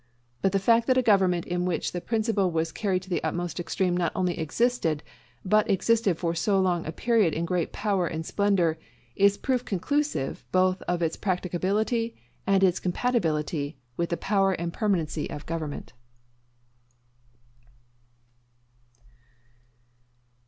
But the fact that a government in which the principle was carried to the utmost extreme not only existed, but existed for so long a period in great power and splendor, is proof conclusive both of its practicability and its compatibility with the power and permanency of government.